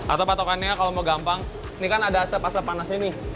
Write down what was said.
atau patokannya kalau mau gampang ini kan ada asap asap panasnya nih